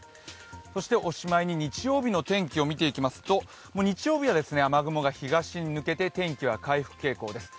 そしておしまいに日曜日の天気を見ていきますと日曜日は雨雲が東に抜けて天気は回復傾向です。